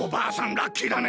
ラッキーだね。